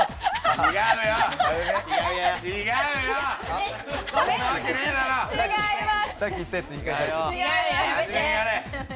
違います。